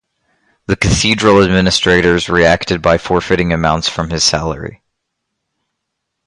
The cathedral administrators reacted by forfeiting amounts from his salary.